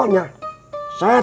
kerja swe sakit